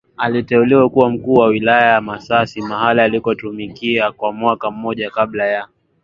aliteuliwa kuwa mkuu wa wilaya ya Masasi mahali alikotumikia kwa mwaka mmoja kabla ya